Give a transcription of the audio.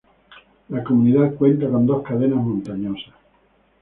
La comunidad cuenta con dos cadenas montañosas.